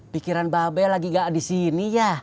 pikiran babel lagi gak disini ya